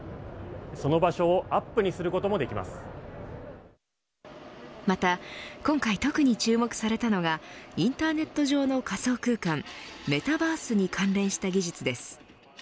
その場所をまた今回、特に注目されたのがインターネット上の仮想空間メタバースに関連した技術です。